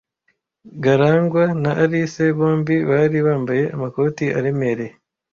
Garangwa na Alice bombi bari bambaye amakoti aremereye.